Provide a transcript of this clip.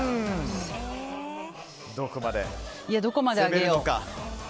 どこまで上げよう。